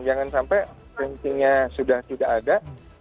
jangan sampai rankingnya sudah tidak ada